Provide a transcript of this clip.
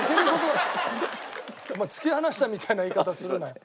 お前突き放したみたいな言い方するなよ。